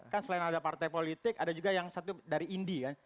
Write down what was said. kan selain ada partai politik ada juga yang satu dari india